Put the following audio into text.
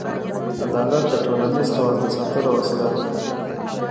عدالت د ټولنیز توازن ساتلو وسیله ده.